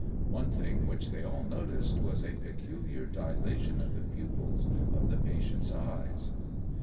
One thing which they all noticed, was a peculiar dilation of the pupils of the patient's eyes.